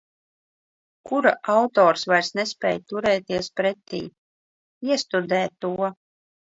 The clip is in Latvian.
Kura autors vairs nespēj turēties pretī. Iestudē to.